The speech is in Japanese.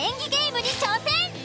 ムに挑戦。